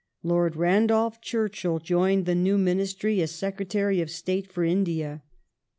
Lord Randolph Churchill joined the new ministry as Secretary of State for India.